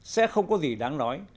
sẽ không có gì đáng nói